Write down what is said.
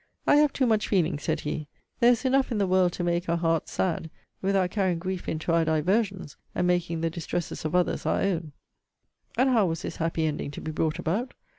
'I have too much feeling, said he.* There is enough in the world to make our hearts sad, without carrying grief into our diversions, and making the distresses of others our own.' * See Vol. IV. Letter XL. And how was this happy ending to be brought about?